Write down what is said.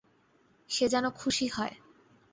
সে যেন খুশি হয়।